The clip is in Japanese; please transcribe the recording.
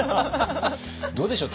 どうでしょう？